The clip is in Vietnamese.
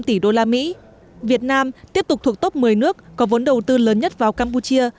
năm tỷ đô la mỹ việt nam tiếp tục thuộc tốc một mươi nước có vốn đầu tư lớn nhất vào campuchia